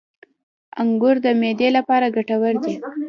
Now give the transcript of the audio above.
• انګور د معدې لپاره ګټور دي.